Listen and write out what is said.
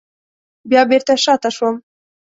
بیا بېرته شاته شوم.